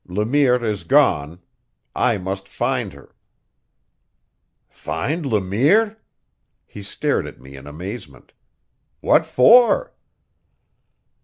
Le Mire is gone. I must find her." "Find Le Mire?" He stared at me in amazement. "What for?"